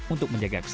untuk menjaga kondisi